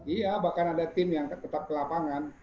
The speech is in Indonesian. iya bahkan ada tim yang tetap ke lapangan